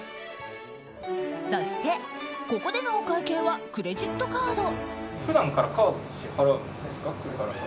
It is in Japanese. そして、ここでのお会計はクレジットカード。